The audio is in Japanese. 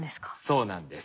そうなんです。